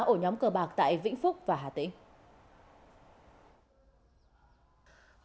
ổ nhóm cờ bạc tại vĩnh phúc và hà tĩnh